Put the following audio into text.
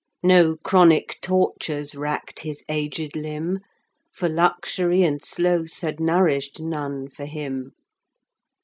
No chronic tortures racked his aged limb, For luxury and sloth had nourished none for him.